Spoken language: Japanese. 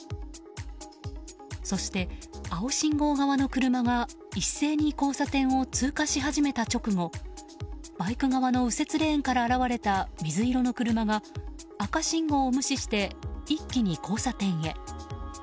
そして、青信号側の車が一斉に交差点を通過し始めた直後バイク側の右折レーンから現れた水色の車が赤信号を無視して一気に交差点へ。